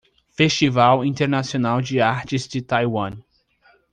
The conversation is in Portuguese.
Festival Internacional de Artes de Taiwan